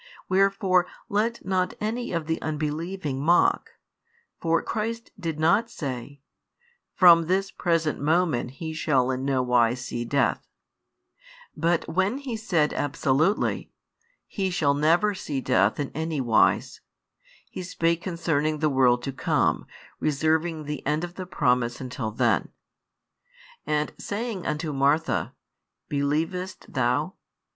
Wherefore let not any of the unbelieving mock: for Christ did not say: "From this present moment he shall in no wise see death," but when He said |119 absolutely: "He shall never see death in any wise," He spake concerning the world to come, reserving the end of the promise until then. And saying unto Martha: Believest thou?